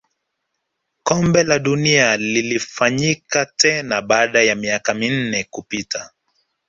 kombe la dunia lilifanyika tena baada ya miaka minne kupita